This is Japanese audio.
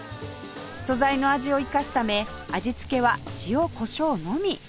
素材の味を生かすため味付けは塩胡椒のみ